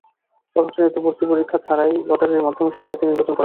প্রথম শ্রেণীতে ভর্তি পরীক্ষা ছাড়াই লটারির মাধ্যমে শিক্ষার্থী নির্বাচন করা হবে।